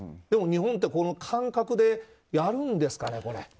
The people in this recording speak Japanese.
でも日本って感覚でやるんですかねこれ。